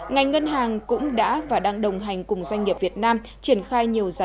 ngành ngân hàng cũng đã và đang đồng hành cùng doanh nghiệp việt nam triển khai nhiều doanh nghiệp